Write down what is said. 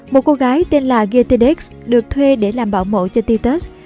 một cô gái tên là gertedex được thuê để làm bảo mộ cho titus